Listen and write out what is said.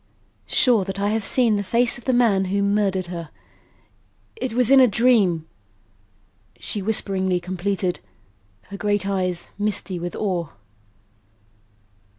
"Sure that I have seen the face of the man who murdered her. It was in a dream," she whisperingly completed, her great eyes misty with awe.